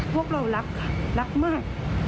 พวกเรารักค่ะรักมาก